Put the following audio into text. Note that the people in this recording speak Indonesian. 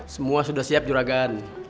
semua sudah siap juragan